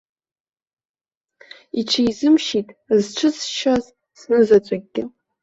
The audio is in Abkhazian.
Иҽизымшьит зҽызшьшаз знызаҵәыкгьы!